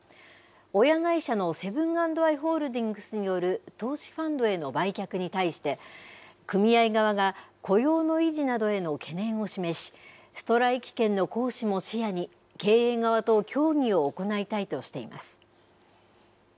親会社のセブン＆アイ・ホールディングスによる投資ファンドへの売却に対して、組合側が雇用の維持などへの懸念を示し、ストライキ権の行使も視野に、経営側と協議を行いたいとしています。